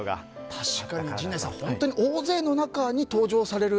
確かに陣内さん、大勢の中に登場される。